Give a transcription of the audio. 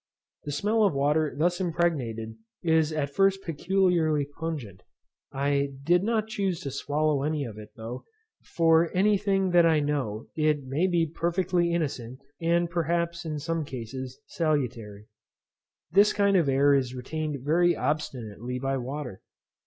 The smell of water thus impregnated is at first peculiarly pungent. I did not chuse to swallow any of it, though, for any thing that I know, it may be perfectly innocent, and perhaps, in some cases, salutary. This kind of air is retained very obstinately by water.